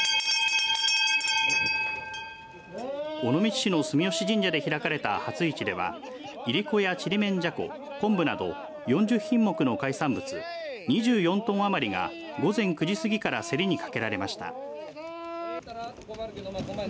尾道市の住吉神社で開かれた初市ではいりこや、ちりめんじゃこ昆布など４０品目の海産物２４トン余りが午前９時過ぎから競りにかけられました。